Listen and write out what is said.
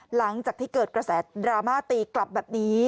หลังจากที่เกิดกระแสดราม่าตีกลับแบบนี้